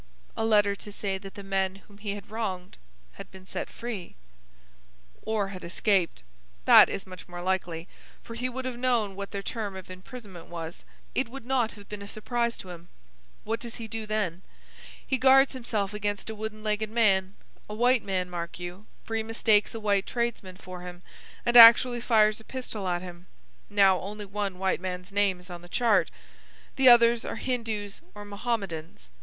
"A letter to say that the men whom he had wronged had been set free." "Or had escaped. That is much more likely, for he would have known what their term of imprisonment was. It would not have been a surprise to him. What does he do then? He guards himself against a wooden legged man,—a white man, mark you, for he mistakes a white tradesman for him, and actually fires a pistol at him. Now, only one white man's name is on the chart. The others are Hindoos or Mohammedans.